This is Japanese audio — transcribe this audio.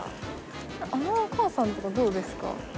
あのお母さんとかどうですか？